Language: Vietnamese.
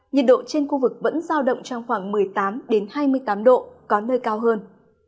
nhiệt độ trên khu vực vẫn giao động trong khoảng một mươi tám hai mươi tám độ có nơi cao hơn